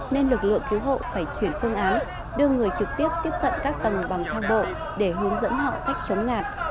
nên lực lượng cứu hộ phải chuyển phương án đưa người trực tiếp tiếp cận các tầng bằng thang bộ để hướng dẫn họ cách chống ngạt